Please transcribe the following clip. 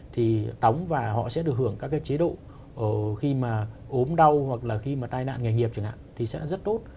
thì đóng và họ sẽ được hưởng các cái chế độ khi mà ốm đau hoặc là khi mà tai nạn nghề nghiệp chẳng hạn thì sẽ rất tốt